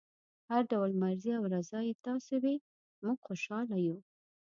هر ډول مرضي او رضای تاسو وي موږ خوشحاله یو.